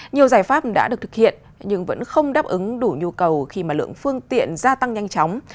nhiều giải pháp đã được thực hiện nhưng vẫn không đáp ứng đủ nhu cầu khi mà lượng phương tiện gia tăng nhanh chóng